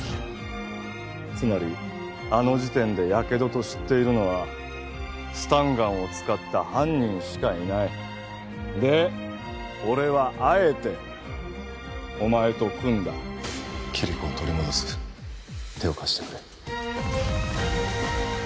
つまりあの時点でやけどと知っているのはスタンガンを使った犯人しかいないで俺はあえてお前と組んだキリコを取り戻す手を貸してくれ